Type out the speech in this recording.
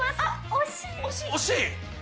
惜しい？